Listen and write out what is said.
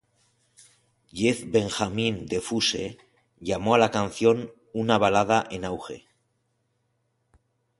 Jeff Benjamin de Fuse llamó a la canción una "balada en auge".